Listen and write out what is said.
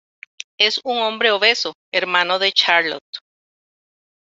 Es un hombre obeso, hermano de Charlotte.